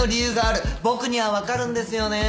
僕には分かるんですよね。